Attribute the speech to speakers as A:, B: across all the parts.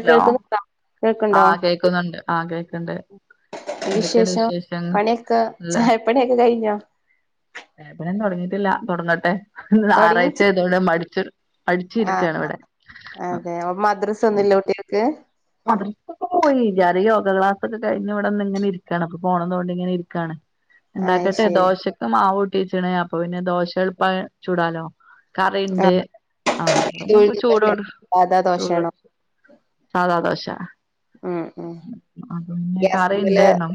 A: Hello
B: കേൾക്കുന്നുണ്ടോ കേൾക്കുണ്ടോ
A: ആഹ് കേക്കുന്നുണ്ട് ആഹ് കേക്ക്ണ്ട്
B: എന്ത്
A: എന്തൊക്കെയാണ്
B: വിശേഷം
A: വിശേഷങ്ങൾ
B: പണിയൊക്കെ
A: ല്ല
B: ചായപ്പണിയൊക്കെ കഴിഞ്ഞോ
A: ചായപണിയൊന്നും തൊട്ങ്ങീട്ടില്ല തൊട്ങ്ങട്ടെ ഇന്ന്
B: തുടങ്ങി
A: ഞാറാഴ്ച്ചായതോണ്ട് ഞാൻ മടാച്ച് മടിച്
B: ആ
A: രികാണ് വടെ പിന്നെ
B: കേ
A: മദ്രസ്കൊക്കെ പോയി. ഞാന് യോഗ ക്ലാസകെ കയിഞ് വടെന്ന്ങ്ങനിര്കാണ് അപ്പൊ ഫോണും തോണ്ടിങ്ങനിരികാണ്
B: ആ
A: ഇണ്ടാക്കട്ടെ
B: ശരി
A: ദോശക്ക് മാവൂട്ട്യെച്ണ് അപ്പൊ പിന്നെ ദോശ എളപ്പ ചൂടാലോ
B: ആ
A: കറിണ്ട് ആഹ് ഞ്പം ചൂടോട്
B: സാധാ
A: ചൂടോ
B: [inaudible]
A: സധാദോശ
B: ഉം ഉം
A: അന്ന
B: ഗ്യാസ്മല്
A: കറിഇണ്ടേനും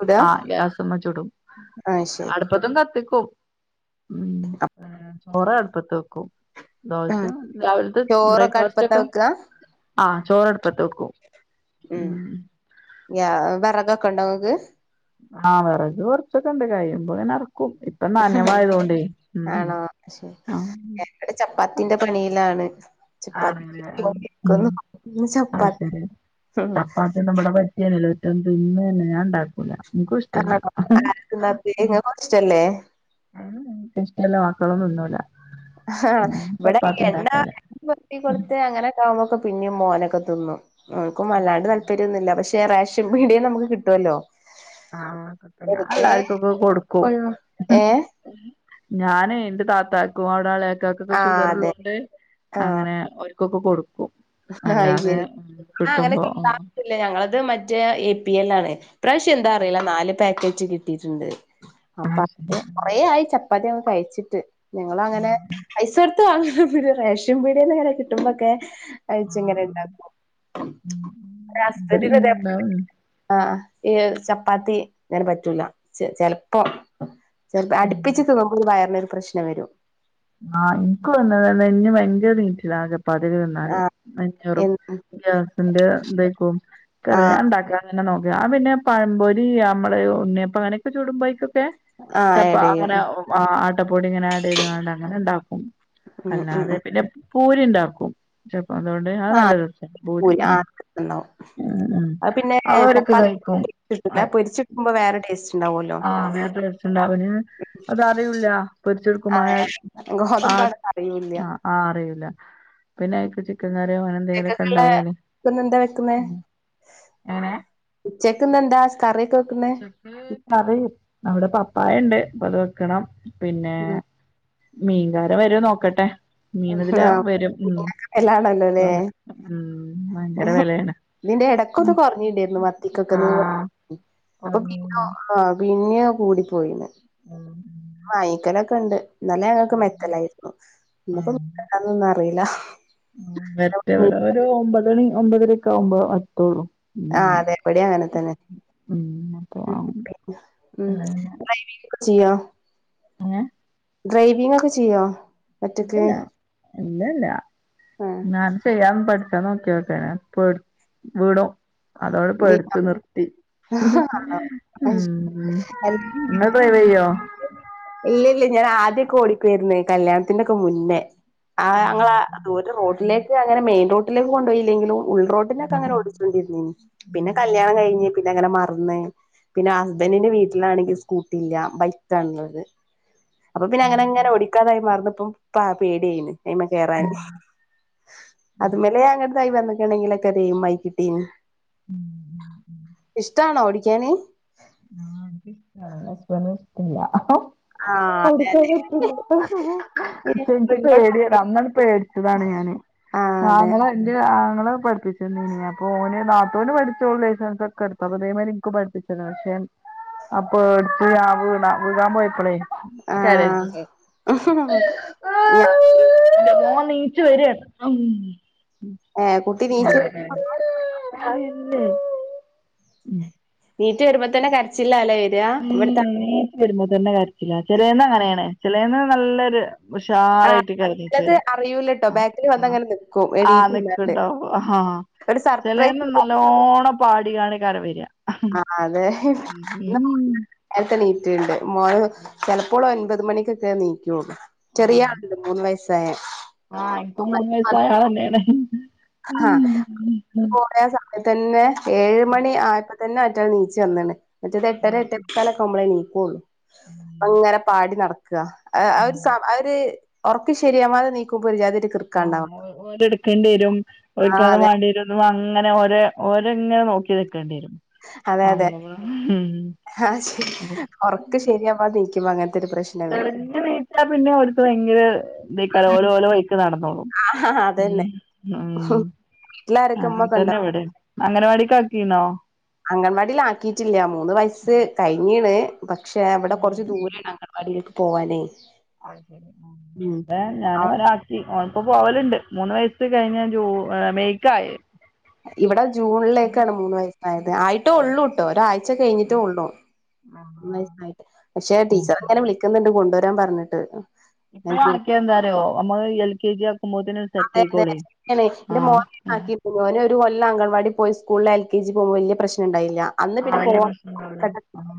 B: ചുടാ
A: ആഹ് ഗ്യാസ്മ്മ ചുടും
B: ആ ശരി
A: അടു പ്പതും കത്തിക്കും ചോറ അടുപ്പത്ത് വെക്കും
B: ആ
A: ദോശ രാവിൽത്തെ
B: ചോറൊക്കെ അടുപ്പത്താ
A: ബ്രേക്ക്ഫാസ്റ്റോക്കെ
B: വെക്കുക
A: ആ ചോറടുപ്പത്ത് വെക്കും.
B: ഉം ഞാ വേറകൊക്കെ ണ്ടോ ങ്ങക്ക്
A: ആഹ് വിറക് കുർച്ചൊക്കെ ണ്ട് കഴിയുമ്പോ ഇങ്ങനെ ർ ഇപ്പം നാനവായതൊണ്ടേ ഉം
B: ആണോ ശരി
A: ആഹ്
B: ചപ്പാത്തിന്റെ പണിയിലാണ് ചപ്പാത്തിക്ക്
A: ആണല്ലേ ആഹ്
B: [unintelligible]
A: ഉം
B: ചപ്പാത്തി
A: മ് മ്മളെ പറ്റിയല്ലോ ഒറ്റ തിന്നന്നെ ഞാ ണ്ടാക്കൂല ഇനിക്കുഷ്ടല്ല
B: ആണോ ആർക്കും ഇഷ്ടല്ലേ
A: ഇഷ്ടല്ല മക്കളും തിന്നൂല
B: ആഹ്
A: ഞാൻ
B: വടേ
A: ചപ്പാത്തി
B: എണ്ണ
A: ഉണ്ടാക്കലാ
B: പേര്ട്ടി കൊടുത്ത് അങ്ങനെക്ക ആകുമ്പോക്കെ പിന്നെയും മോനൊക്കെ തിന്നും ഓൽക്കും വല്ലാണ്ട് തല്പര്യന്നുല്ല പക്ഷേ റേഷൻ പീടിയെന്ന് അമ്മക്ക് കിട്ടൊല്ലോ
A: ആഹ് ആക്കൊത്തന്നെ അല്ലാർക്കൊക്കെ കൊടുക്കും ഹും
B: ഏഹ്
A: ഞാനേ ന്റെ താത്താക്കും അവിടേള്ളെ ത്താക്കൊക്കേ
B: ആഹ് അതെ
A: ഷുഗറ്ള്ളോണ്ട്
B: ആഹ്
A: അങ്ങനെ ഓര്ക്കെക്കേ കൊടുക്കും. അല്ലാതെ കിട്ടുമ്പോ
B: ഇല്ല ഞങ്ങളത് മറ്റേ എ പി എല്ലാണ്. പ്രാശ്യം എന്താ അറീല നാല് പാക്കേറ്റ് കി ട്ടിട്ടുണ്ട്. അപ്പോ
A: ശരി
B: കൊറേ ആയി ചപ്പാത്തിക്കെ കഴിച്ചിട്ട്. ഞങ്ങള് അങ്ങനെ പൈസ കോടുത്ത് വങ്ങലൊന്നുല്ല റേഷൻ പീട്യേന്ന്ങ്ങനെ കിട്ടുമ്പക്കെ അഴിച്ചെങ്ങനെ ഇണ്ടാക്കും
A: ഇവിടെണ്ടാവും
B: ആഹ് ഈ ചപ്പാത്തി ഇങ്ങനെ പറ്റൂല ചെലപ്പോ ചെലപ്പോ അടുപ്പിച്ച് ത് [unintelligible] വുമ്പോ ഒരു വയറിന് ഒരു പ്രശ്നം വെരും.
A: [unintelligible] ആഹ് ഇൻക്ക് വന്ന്ണ്. നെഞ്ഞ് ഭയങ്കരം നീറ്റ്ലാണ് ചപ്പാത്ത്യൊക്കെ തിന്നാല്.
B: ആഹ്
A: നെഞ്ഞീറും.
B: എന്നും
A: ഗ്യാസിന്റെ ഇതെക്കും കറില ഞാ
B: ആഹ്
A: ഇണ്ടാക്ക അങ്ങനെ നോക്ക. ആഹ് പിന്നെ പഴമ്പൊരി അമ്മള് ഉണ്ണ്യപ്പ അങ്ങനെയൊക്കെ ചൂടുമ്പോഴോക്കേ
B: ആഹ്
A: ചപ്പ
B: ആഡ് ചെയ്യും
A: അങ്ങനെ ആട്ടപ്പൊടി ഇങ്ങനെ ആഡ് ചെയ്ത് കാണ്ട അങ്ങനെ ഇണ്ടാക്കും.
B: ഉം ഉം
A: അല്ലാതെ
B: ഉം
A: പിന്നെ പൂരി ഇണ്ടാക്കും. [unintelligible] അത്
B: ആഹ്
A: [unintelligible] ഭൂരി
B: പൂരി
A: ഉം
B: ആഹ് ഉണ്ടാവും
A: ഉം ഇത് കഴിക്കും
B: ല്ല പൊരിച്ട്ക്ക്മ്പോ വേറെ ടേസ്റ്റ്ണ്ടാവോല്ലോ
A: [unintelligible] രസണ്ടാവുലേ അത്റിയൂല പൊരിച്ചെടുക്കു
B: ആഹ്
A: [unintelligible] ആത്
B: ഗോതമ്പാണ് അറിയൂല്ല
A: ആഹ് ആഹ് അറിയൂല. പിന്നെ അയ്ക്ക് ചിക്കൻ കറിയോ അങ്ങനെ എന്തെങ്കിലൊക്കെ
B: ഉച്ചക്കക്കുള്ള
A: ഉണ്ടായാല്
B: ഇന്ന് എന്താ വെക്കുന്നേ
A: എങ്ങെനെ
B: ഉച്ചക്ക് ഇന്ന് എന്താ സ് കറിയൊക്കെ വെക്കുന്നെ
A: ഉച്ചക്ക് കറി അവിടെ പപ്പാ ഇണ്ട്. അപ്പത് വെക്കണം പിന്നെ
B: ഉം
A: മീൻകാര വരോ നോക്കട്ടെ മീനിതിലെ
B: ആഹ്
A: വെരും ഉം
B: എല്ലാണല്ലോല്ലേ
A: ഉം ഭയങ്കര വെലേണ്.
B: ഇതിന്റെ എടക്കൊന്ന് കൊറ്ഞ്ഞില്ലേ ര്ന്നൊ. വത്തിക്കൊക്കെ നൂറ് ഇപ്പൊ
A: കോറഞ്ഞീനി
B: പിന്നോ ആഹ് പിന്നേ കൂടി പോയിന്ന്
A: ഉം
B: വാങ്ങിക്കലൊക്കെ ഇണ്ട്. ഇന്നലേ ഞങ്ങൾക്ക് മെത്തലായിരുന്നു. ഇന്ന്പ്പോന്തന്നൊന്നും അറീല്ല
A: മറ്റെ ഇവടെ ഒരു ഒമ്പതണി ഒമ്പതെര ഒക്കെ ആവുമ്പോ വത്തുള്ളൂ
B: ആഹ് അതേ ഇവിടെ അങ്ങനെ തന്നെ
A: ഉം അപ്പൊ
B: [unintelligible] ഉം
A: അങ്ങനെ
B: [unintelligible] ചെയ്യൊ
A: എന്നെ
B: ഡ്രൈവിങ്ങ് ഒക്കെ ചെയ്യോ ഒറ്റക്ക്
A: ഇല്ലല്ല. ഇല്ലല്ല
B: ആഹ്
A: ഞാൻ ചെയ്യാന്ന് പഠിച്ചാ നോക്ക്യോക്കേന പ വീണു. അതോട് പേടിച്ചു നിർത്തി ഉം ഇങ്ങൾ ഡ്രവെയ്യൊ
B: ഇല്ലല്ല ഞാൻ ആദ്യൊക്കെ ഓടിക്കേ രുന്നു. കല്യാണത്തിന്റെ ഒക്കെ മുന്നേ ആഹ് ഞങ്ങളെ ദൂര റോഡിലേക്ക് അങ്ങനെ മെയിൻ റോട്ടിലേക്ക് കൊണ്ടോയില്ലെങ്കിലും ഉൾറോട്ടിലൊക്കെ അങ്ങനെ ഓടിച്ചുകൊണ്ടിരുന്നിനി. പിന്നെ കല്യാണം കഴിഞ്ഞ് പിന്നെ അങ്ങനെ മറന്ന് പിന്നെ ആ ഹസ്ബന്റിന്റെ വീട്ടിലാണെങ്കിൽ സ്കൂട്ടി ഇല്ല ബൈക്കാണ് ഇള്ളത്. അപ്പ പിന്നെ അങ്ങനെ അങ്ങനെ ഓടിക്കാതായി മാറന്നപ്പം പ പേടിയായിന് അയ്മ കേറാൻ. അതു മലെ അങ്ങെട്തായി വന്നിക്ക്ണെങ്കിലൊക്കെ അത് എയ് മായി കിട്ടീനി.
A: ഉം
B: ഇഷ്ടാണോ ഓടിക്കാന്
A: ആന് എനിക്ക് ഇഷ്ടാണ് ഹസ്ബന്റിനെ ഇഷ്ടല്ലാ
B: ആഹ്
A: ഓടിക്കാൻ പറ്റില്ല. ഇപ്പ ഇൻക്ക്
B: എന്നോട്
A: പേട്യാണ്.
B: പറയും
A: അന്നാണ്ട് പേടിച്ചതാണ് ഞാന്. ആഹ് ഇങ്ങള്. ഇന്റെരു ആങ്ങളെ പഠിപ്പിച്ചെന്നേനി. അപ്പൊ ഓന് നാത്തൂന് പഠിച്ചോള് ലൈസൻസൊക്കെ എടുത്തു അപ്പ ഇതേമാതിരി ഇൻക്കും പഠപ്പിച്ചതാണ്. പക്ഷ അ പേട്ച്ച് ആ വീണ വികാൻ പോയപ്പളേ
B: ആഹ്
A: ശരോജിനി.
B: ഞാൻ
A: ഇന്റെമോൻ നീച്ച വരാണ് അം ഉം
B: കുട്ടി നീച്ച്
A: [unintelligible] ഉം
B: നീറ്റ് വരുമ്പോ തന്നെ കരച്ചില്ല ല്ലേ വര
A: ഉം
B: ഇവിട്ത്ത.
A: വരുമ്പോ തന്നെ കാര്യത്തില്ല ചിലന്ന് അങ്ങനെയാണ് ചിലന്ന് നല്ലൊരു
B: ആ
A: ഉഷാറായിട്ട് കരുഞ്ഞീച്ച
B: ചിലത്
A: വരാ
B: അറിയൂലട്ടോ
A: ആഹ്
B: ബാക്കിൽ
A: ആഹ്
B: വന്നങ്ങനെ നിക്കും
A: ആഹ്
B: എണീറ്റില്ലാണ്ട്
A: നിക്ക്ട്ടോ ആഹ്
B: ഒരു സർപ്രൈസ്
A: ല്ലോണം പാടി കാണിക്കാര വര
B: ആഹ് അതെ നേരത്തെ നീറ്റിണ്ട് മോൾ ചെലപ്പോളും എൻപത് മണിക്കൊക്കെ നീക്കുള്ളൂ
A: ആഹ്
B: ചെറിയണ്ട് മൂന്ന് വയസ്സായ
A: ആഹ് ഇൻക്കും മൂന്ന് വയസ ആയ ആൾ ന്നെണ്
B: ആഹ് ഇന്ക് മൂന്നേ സം തന്നെ ഏഴ് മണി ആയപ്പോ തന്നെ ആറ്റൾ നീച്ച വന്നാണ് മറ്റേത് എട്ടര എട്ട മു ബള നീക്കുള്ളൂ അങ്ങനെ പാടി നടക്ക അഹ് ഒരു സ അവര് ഒർക്ക് ശരിയാവാതെ നീക്കുമ്പോ ഒരു ജാതി ഒരു കൃർക്ക ണ്ട
A: ഓലെ എടുക്കേണ്ടി വരും ഓല്ക്കാതെ വേണ്ടി വരും അങ്ങനെ ഒര ഓര അങ്ങനെ നോക്കി നിക്കേണ്ടി വരും
B: അതെ അതെ
A: [unintelligible] ഉം
B: ആഹ് ശരി ഒർക്ക് ശരിയാവാ നിക്കുബോ അങ്ങനത്തെ ഒരു പ്രശ്നം വരും
A: തെളഞ്ഞു നീച്ചാൽ പിന്നെ അടുത്ത് ഭയങ്കര ഇതേക്കാരം ഓല് ഓലെ വൈക്ക് നടന്നോളും
B: ആഹ് അതന്നെ
A: ഉം ഉം
B: വീട്ടിൽ ആരൊക്കെ ഉമ്മകൊണ്ടോ
A: അങ്ങനവാടിക്ക് ആക്കീണോ
B: അംഗൻവാടിൽ ആക്കിയിട്ടില്ല മൂന്ന് വയസ്സ് കഴിഞ്ഞീണ് പക്ഷെ ഇവിടെ കുറച്ച് ദൂരാണ് അ വാടിലേക്ക് പോവാനേ
A: അഹ് ശരി
B: ഉം
A: [unintelligible] ഞൻ ഒല ആ ഓൻ പോ പോവലണ്ട് മൂന്ന് വയസ് കഴിഞ്ഞ ജു മെയ്ക്കായി
B: ഇവിടെ ജൂണിലേക്കാണ് മൂന്ന് വയസായത് ആയിട്ടോ ഉള്ളൂട്ടോ ഒരാഴ്ച കഴിഞ്ഞിട്ടേ ഉള്ളൂ പക്ഷെ ടീച്ചർ ഇങ്ങനെ വിളിക്കുന്നുണ്ട് കൊണ്ടുവരാൻ പറഞ്ഞിട്ട്
A: ഇപ്പൊ ആക്കിയ എന്താറയോ നമ്മള് എൽ കെ ജി ആക്കുമ്പോത്തിന് സെറ്റ്
B: അതെ അതെ
A: ആയിക്കോളേ
B: ശരി ആണ് ഇന്റെ മോൻ
A: ആഹ് ഉം
B: ആക്കി മോനെ ഒരു കൊല്ലം അങ്കണവാടി പോയി സ്കൂളിൽ എൽ കെ ജി പോകുമ്പോ വല്ല്യ പ്രശ്നം ഉണ്ടായില്ല അന്ന്
A: ആ
B: പിന്നെ പോ
A: വല്യ പ്രശ്നം ഉണ്ടാവൂല ആഹ്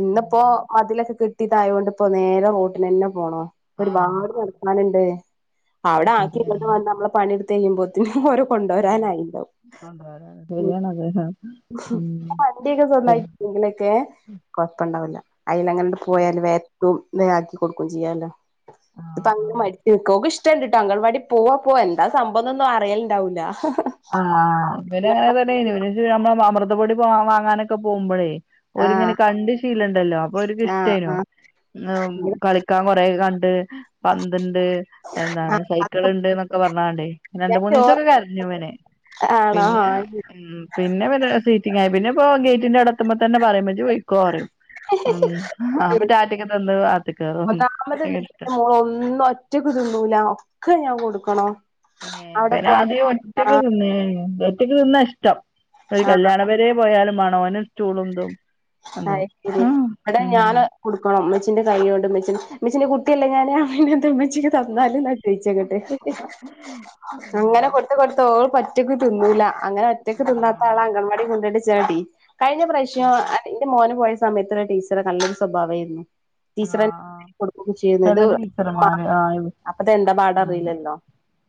B: ഇന്നിപ്പോ മതിലൊക്കെ കെ ട്ടി തായോഡ് ഇപ്പൊ നേരെ റോട്ടിനന്നെ പോണോ ഒരുപാട്
A: ആഹ്
B: നടക്കാനുണ്ട്
A: അത്
B: അവിടെ ആക്കി
A: ശരിയാണ്
B: ഇങ്ങോട്ട് വന്ന് നമ്മള് പണിയെടുത്ത് കഴിയുമ്പോത്തേനും ഓര കൊണ്ടരാനായിണ്ടാവും
A: ശരിയണാ അതെ അഹ്
B: വണ്ടിയൊക്കെ സ്വന്തായിട്ട് ഇണ്ടങ്കിൽ ഒക്കെ കൊഴപ്പുണ്ടാവില്ല അയിൽ അങ്ങട് പോയാല് വെ എത്തും വെ ആക്കി കൊടുക്കയും ചെയ്യല്ലോ ഇപ്പൊ
A: ആഹ്
B: അങ്ങനെ മടിച്ചു നിക്ക ഓൾക് ഇഷ്ടണ്ടിട്ട അംഗൻവാടി പോവാ പോവാ എന്താ സംഭവന്നും അറിയലിണ്ടാവൂല്ല
A: അഹ് ഇവാൻ അങ്ങനെ തന്നെ നമ്മളേ അമൃതപൊടി പോകാൻ വാങ്ങാനൊക്കെ പോകുമ്പോഴേ ഒരിങ്ങനെ
B: ആഹ്
A: കണ്ട് ശീലണ്ടല്ലോ അപ്പൊ ഓർക്
B: ആഹ്
A: ഇഷ്ടേനോ
B: ആഹ്
A: ഉം കളിക്കാൻ കൊറ കണ്ട് പന്തിണ്ട് എന്താണ് സൈക്കിൾ
B: അതൊക്കെ
A: ഉണ്ട് എന്നൊക്കെ പറഞ്ഞാണ്ടേ രണ്ട്
B: ഞാൻ
A: മൂന്ന്
B: ചോറ്
A: ദിവസക്കെ കരഞ്ഞു ഇവൻ
B: ആണോ
A: പിന്നെ ഇവർ സീറ്റിംഗായി പിന്നെ ഇപ്പൊ ഗേറ്റിന്റെ അടത്തുമ്പ തന്നെ പറയും ഇജ്ജ് പോയിക്കോ പറയും ഉം റ്റാറ്റാ തന്നു അകത്തി കേറും [unintelligible]
B: [unintelligible] ഒറ്റക് തിന്നുല്ല ഒക്കെ ഞാൻ കൊടുക്കണോ
A: ഏഹ്
B: അവിടെ
A: ഇവാൻ
B: പോയാ
A: ആദ്യം ഒറ്റക്ക്
B: ആ
A: തിന്നെനു ഒറ്റയ്ക്ക് തിന്നാ ഇഷ്ടം ഒരു
B: അത്
A: കല്യാണപരെ പോയാലും മണോ ഓൻ സ്റ്റൂളുന്തും
B: അഴി ശരി ഇവടെ ഞാൻ കൊടുക്കണം ഉമ്മച്ചിന്റെ കൈ കൊണ്ട് ഉമ്മച്ചിന്റെ കുട്ടിയല്ലേ ഞാൻ പിന്നെന്താ ഉമ്മച്ചിക്ക് തന്നാലന്ന ചോയിച്ചെ ന്നിട്ട് അങ്ങനെ കൊടുത്ത് കൊടുത്ത് ഓൾ പ ഒറ്റക്ക് തിന്നൂല അങ്ങനെ ഒറ്റക്ക് തിന്നാത്ത
A: ആഹ്
B: ആളെ അംഗൻവാടി കൊണ്ടങ്ങ് [unintelligible] കഴിഞ്ഞ പ്രാവശ്യം
A: ശരി
B: എന്റെ മോന് പോയ സമയത്തുള്ള ടീച്ചറെ നല്ലൊരു സ്വഭാവയിരുന്നു. ടീച്ചർനെ
A: ആഹ്
B: കൊടുക്ക ചെയുനെ ഇത്
A: ചെല ടീച്ചർമാര് ആഹ്
B: ഇപ്പത്തെ എന്താ പാട
A: ആഹ്
B: അറിയില്ലല്ലോ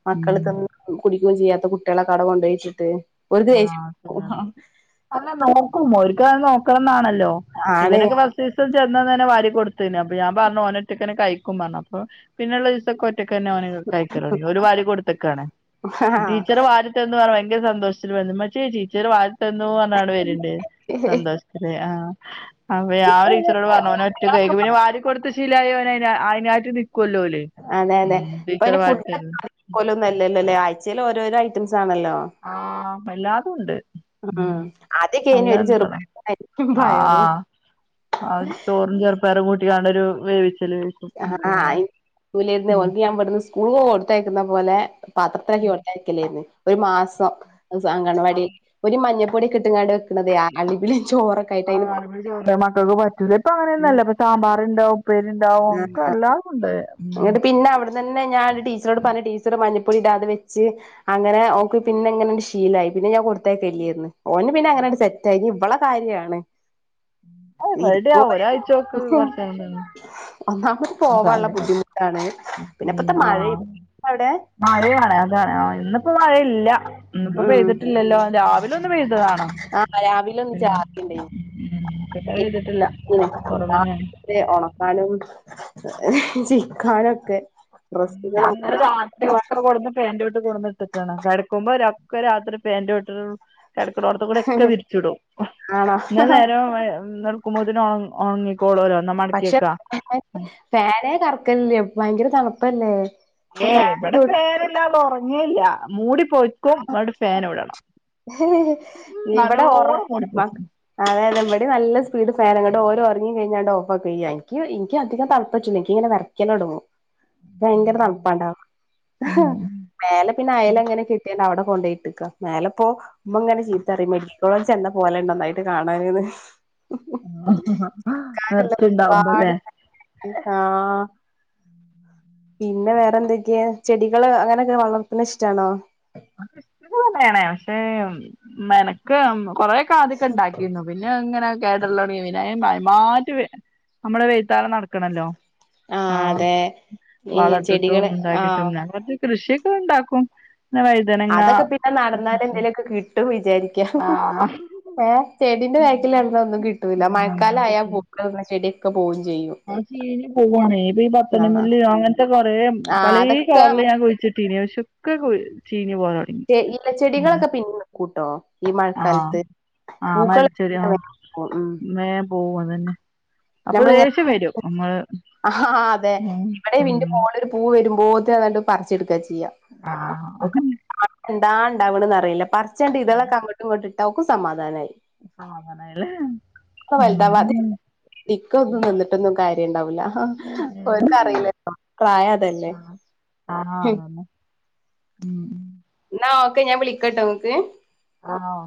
B: മക്കള്
A: ഉം
B: തിന്നു കുടിക്കു ചെയ്യാത്ത കുട്ടികളെ കവിട കൊണ്ടുപോയി ഇട്ടിട് ഓല്ക്ക് ദേഷ്യം
A: ആഹ് ശരിയാണ് അല്ല നോക്കും ഒരിക്കത് നോക്കണംന്നാണല്ലോ
B: ആണ്
A: ഇവനൊക്കെ ഫസ്റ്റ്സ ചെന്ന തന്നെ വാരി കൊടു ത്തിന് അപ്പോ ഞാ പറഞ്ഞു ഓന ഒറ്റക്കനെ കഴിക്കും പറഞ്ഞു അപ്പോ പിന്നുള്ള ദിവസെ ഒറ്റക്കെനെ ഓൻ കയിക്ക തുടങ്ങി ഒരു വാരി കൊടുത്തക്കാണ് ടീച്ചറ് വാരി തേരുന്ന് പറഞ്ഞ ഭയങ്കര സന്തോ ഉമ്മച്ചി ടീച്ചർ വാരി തന്നു പറഞ്ഞാണ്ട് വരിണ്ട്
B: ആഹ്
A: സന്തോഷത്തില് അഹ് ഞാ
B: ഇപ്പ
A: ടീച്ചറോട് പറഞ്ഞു അവൻ ഒറ്റക് കഴിക്കും
B: കുട്ടികളൊക്കെ
A: പിന്നെ വാരി കൊടുത്ത് ശീലമായി ഓൻ അയിനായിട്ട് നിക്കക്കുവല്ലോ ഓല്
B: അതെ അതെ
A: ഉം ടീച്ചർ
B: ഇപ്പയിന് ഫുഡ്
A: വാരിത്തരും
B: പോലും ഒന്നുംല്ലല്ലോല്ലേ ആഴ്ചയിൽ ഓരോരോ ഐറ്റംസ് ആണല്ലോ
A: ആഹ് വല്ലാതും ഉണ്ട്
B: ഉം ആദ്യൊക്കെനു
A: നല്ല
B: ഒരു ചെറുപ്പായിരി പയറും
A: ആ ചോറും ചെറുപ്പേയറും കൂട്ടിക്കാണ്ടരു വേവിച്ചല്
B: അഹ്
A: ഉം
B: ഓർക്ക് ഞാൻ ഇവിടുന്ന് സ്കൂൾ പോബോ കൊടുത്തയക്കുന്ന പോലെ പാത്രത്തിൽ
A: ഉം
B: കൊടുത്തയ്ക്കലേന്ന് ഒരു മാസം അങ്കണവാടിൽ
A: ആഹ്
B: ഒരു മഞ്ഞപ്പൊടി കിട്ടങ്ങാട് അതേയ ഇതിൽ ചോറ്
A: അഹ് മക്കൾക്ക് പറ്റുല്ല ഇപ്പ അങ്ങനെയൊന്നുംല്ല സാമ്പാർണ്ടാവും ഉപ്പേരുണ്ടാവും
B: ആ
A: ഒക്കെ എല്ലാ ഉണ്ട് ഉം
B: അന്ന് തന്നെ ഞാൻ ടീച്ചറോട് പറഞ് ടീച്ചറ് മഞ്ഞപ്പൊടി ഇടാതെ വെച്ച് അങ്ങനെ ഓൾക് പിന്നെ എങ്ങനെണ്ട് ശീലായി പിന്നെ ഞാൻ കൊടുത്തേയക്കല്ലായിരുന്നു ഓന് പിന്നെ അങ്ങനെണ്ട് സെറ്റ് ആയി എനി ഇവളെ കാര്യണ്
A: റെഡി
B: ഇരിക്കുവ
A: ആവും ഒരാഴ്ചയൊക്കെ കുറച്ച് കഴിയുമ്പോ
B: [unintelligible] ഒന്നാമത് പോവാനുള്ള
A: അവസാനം
B: ബുദ്ധിമുട്ടാണ് പിന്നെ ഇപ്പത്തെ മഴും ഇണ്ട അവിടെ
A: മഴാണ് അതാണ് ഇന്നിപ്പോ മഴയില്ല. ഇന്നിപ്പോ
B: ഉം
A: പെയ്തിട്ടില്ലല്ലോ രാവിലെ ഒന്ന് പെയ്തതാണ്
B: ആ രാവിലെ ഒന്ന്
A: പിന്നെ
B: ചാറിണ്ടായിനി
A: മഴ പെയ്തിട്ടില്ല കുറവനയാണ്.
B: ഇഹ് ഉണക്കാനും ചിക്കാനു ഒക്കെ ഡ്രസ്സുകളും
A: അന്നേരം രാത്രി ഒക്കെ കൊടുന്ന് പാന്റ് ഇട്ടു കൊണ്ടെന്നുഇട്ടേക്കാണ് കിടക്കുമ്പോ ഒക്കെ രാത്രി ഫാനിന്റെ ഇട്ടിട്ടൊരു കെടക്കണോടുത്തും കൂടി ഒക്കെ വിരിച്ചിടും.
B: ആണോ
A: ഇന്നലെനേരം നടുക്കുമ്പോത്തിന് ഉണങ്ങി ഉണങ്ങിക്കോളുവല്ലോ എന്നാ മടക്കി
B: പക്ഷെ
A: വെക്കാ.
B: ഫാനേ കറക്കലില്ല. ഭയങ്കര തണുപ്പല്ലേ
A: ഏയ്
B: ഫാനിന്റെ
A: ഇവിടെ
B: ചോട്ടിൽ
A: ഫാനില്ലാതെ ഉറങ്ങേയില്ല. മൂടി പൊത ക്കും എന്നട്ട് ഫാനും ഇടണം. നല്ലോണം മൂടി പുതച്ച്
B: അതെ അതെ. ഇവടേം നല്ല സ്പീഡ് ഫാനാ. ഇങ്ങട് ഓര് ഉറങ്ങി കഴിഞ്ഞാണ്ട് ഓഫ് ആക്കും ഈ എനിക്ക് എനിക്ക് അധികം തണു പറ്റുമ്മയ്ക്ക് ഇങ്ങനെ വിറയ്ക്കലു തുടങ്ങും. ഭയങ്കര തണപ്പാൺട്ടാ. മേലെ പിന്നെ അയല് അങ്ങനെ കെട്ടി അവിടെ കൊണ്ടിട്ടിക്ക. മേലെപ്പോ ഉമ്മ ഇങ്ങനെ ചീത്ത പറയും. മെഡി ക്ക കോളേജി ചെന്നാ പോലെണ്ട് നന്നായിട്ട് കാണാനേന്ന്.
A: നിറച്ചുണ്ടാവുമ്പോ അല്ലേ.
B: ഒരുപാട് ആഹ് പിന്നെ വേറെന്തൊക്കെയാ? ചെടികള് അങ്ങനെയൊക്കെ വളർത്തണെ ഇഷ്ടാണോ?
A: അതൊക്കെ ഇഷ്ടം തന്നെയാണ്. പക്ഷെ മെനക്ക് കൊറെയൊക്കെ ആദ്യം ഒക്കെ ഉണ്ടാക്കിയിരുന്നു. പിന്നെ അങ്ങനെ കേട്ടല്ലൊടങ്ങി പിന്നെ [unintelligible] നമ്മുടെ വായ്ത്താളം നടക്കണല്ലോ. ആഹ്
B: ഈ
A: വളം ഇട്ടിട്ടും
B: ചെടികള്
A: ഉണ്ടാക്കിയിട്ടും
B: ആഹ്
A: ഞാൻ പറഞ്ഞ് കൃഷിയൊക്കെ ഇണ്ടാക്കും. [unintelligible]
B: അതൊക്കെ പിന്നെ നടന്നാലും എന്തെങ്കിലുമൊക്കെ കിട്ടുന്ന് വിചാരിക്കാം.
A: ആഹ്
B: ഏഹ് ചെടീന്റെ ബാക്കില് നടന്നാ ഒന്നും കിട്ടൂല. മഴക്കാലം ആയാ പൂക്കളിടുന്ന ചെടിയൊക്കെ പോവും ചെയ്യും.
A: ആ ചീഞ്ഞ് പോവാണ്. ഏത് ഈ പത്തു
B: ആഹ്
A: മണിമുല്ലയും അങ്ങനത്തെ കൊറേ
B: ആഹ്
A: പലേ
B: അതൊക്കെ
A: കളറില് ഞാൻ കുഴിച്ചി ട്ടീനി. പക്ഷെ ഒക്കെ കു ചീഞ്ഞു പോകാണ്.
B: റ്റെ ഇല ചെടികളൊക്കെ പിന്നേം നിക്കൂട്ടോ. ഈ
A: ആഹ്
B: മഴക്കാലത്ത്
A: ആഹ്
B: പൂക്കള്
A: മരിച്ചൊരു ആഹ്
B: [unintelligible]
A: വേം പോവും അതന്നെ അപ്പൊ
B: നമ്മളിങ്ങനെ
A: ദേഷ്യം വരും നമ്മള്
B: ആഹ് അതെ
A: ഉം
B: ഇവിടെ ഇന്റെ മോളൊരു പൂ വരുമ്പോത്തിനും അതങ്ങട് പറിച്ചെടുക്കാ ചെയ്യാ.
A: ആഹ്
B: എന്താ ഉണ്ടാവണന്ന് അറിയില്ല. പറച്ചണ്ട് ഇതളൊക്കെ അങ്ങടും ഇങ്ങടും ഇട്ടാ ഓക്ക് സമാധാനായി.
A: ആവണേലെ.
B: അത്ര വലുതാവാതിൽ ഇരിക്ക ഒന്നും നിന്നിട്ടൊന്നും കാര്യം ഇണ്ടാവൂല അവർക്കും അറിയില്ലല്ലോ പ്രായം അതല്ലെ.
A: ആഹ് ആഹ് ഉം
B: ന്നാ ഒക്കെ. ഞാൻ വിളിക്കാട്ടോ ഇങ്ങക്ക്.
A: ആ ഓ